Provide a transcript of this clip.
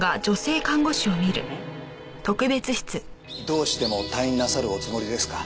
どうしても退院なさるおつもりですか？